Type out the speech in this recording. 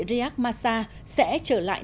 riyad massa sẽ trở lại